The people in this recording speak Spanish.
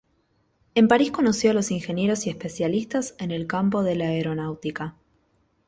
En París conoció a los ingenieros y especialistas en el campo de la aeronáutica.